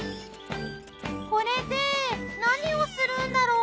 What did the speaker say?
これで何をするんだろう？